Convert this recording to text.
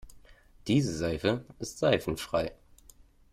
Diese Seife ist seifenfrei.